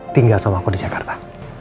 tinggal sama aku di jakarta